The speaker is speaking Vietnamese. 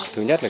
thứ nhất là